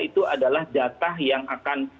itu adalah jatah yang akan